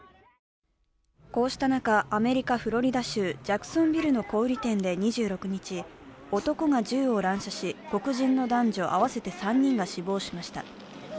こうした中、アメリカ・フロリダ州ジャクソンビルの小売店で２６日、男が銃を乱射し黒人の男女合わせて３人が死亡しました。